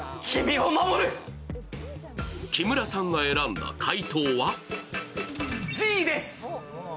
木村さんが選んだ解答は？